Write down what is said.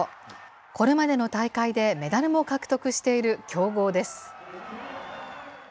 これまでの大会でメダルも獲得している強豪です。